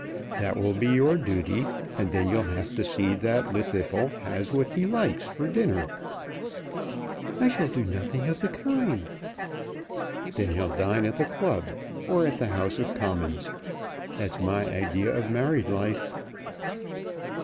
That will be your duty, and then you'll have to see that Llwddythlw has what he likes for dinner." "I shall do nothing of the kind." "Then he'll dine at the Club, or at the House of Commons. That's my idea of married life."